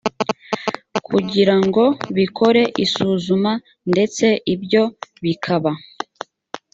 kugira ngo bikore isuzuma ndetse ibyo bikaba